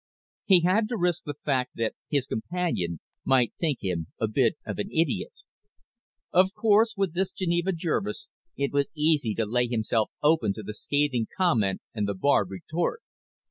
He had to risk the fact that his companion might think him a bit of an idiot. Of course with this Geneva Jervis it was easy to lay himself open to the scathing comment and the barbed retort.